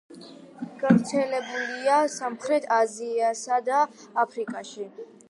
გავრცელებულია სამხრეთ აზიასა და აფრიკაში.